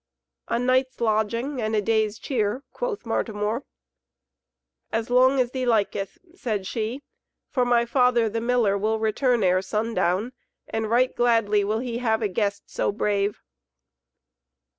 "A night's lodging and a day's cheer," quoth Martimor. "As long as thee liketh," said she, "for my father, the miller, will return ere sundown, and right gladly will he have a guest so brave."